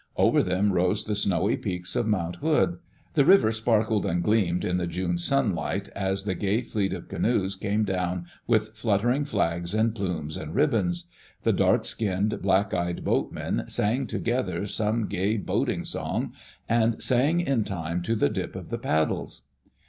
Over them rose die snowy peaks of Mount Hood. The river sparkled and gleamed in the June sunlight as the gay fleet of canoes came down with fluttering flags and plumes and ribbons. The dark skinned, black eyed boatmen sang togedier some gay boat ing song, and sang in time to the dip of the paddles.